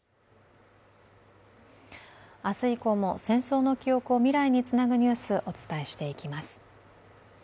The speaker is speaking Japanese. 明日以降も戦争の記憶を未来につなぐニュースお伝えしていきます。